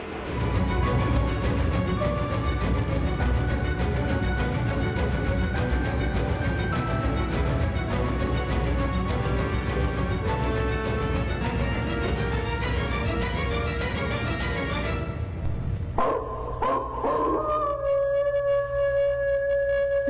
รูปหลักปี๒๐๒๐